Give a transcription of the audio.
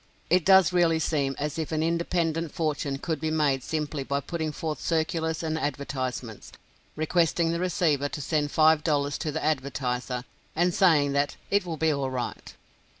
It does really seem as if an independent fortune could be made simply by putting forth circulars and advertisements, requesting the receiver to send five dollars to the advertiser, and saying that "it will be all right."